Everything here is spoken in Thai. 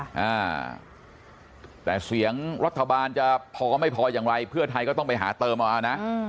อ่าแต่เสียงรัฐบาลจะพอไม่พออย่างไรเพื่อไทยก็ต้องไปหาเติมเอานะ